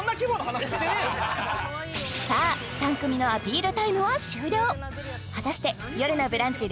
お前さあ３組のアピールタイムは終了果たして「よるのブランチ」